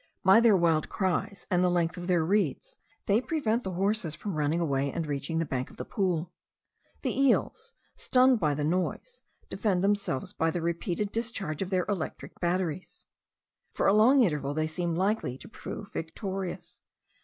By their wild cries, and the length of their reeds, they prevent the horses from running away and reaching the bank of the pool. The eels, stunned by the noise, defend themselves by the repeated discharge of their electric batteries. For a long interval they seem likely to prove victorious.